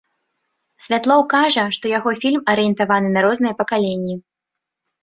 Святлоў кажа, што яго фільм арыентаваны на розныя пакаленні.